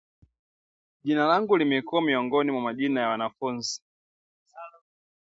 Jina langu lingekuwa miongoni mwa majina ya wanafunzi